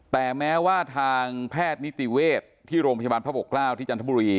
แต่แม้ว่าทางแพทย์นิติเวศที่โรงพยาบาลพระปกเกล้าที่จันทบุรี